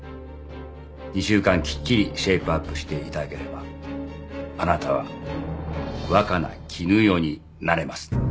２週間きっちりシェイプアップしていただければあなたは若菜絹代になれます。